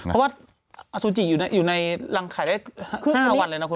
เพราะว่าอสุจิอยู่ในรังไข่ได้๕วันเลยนะคุณ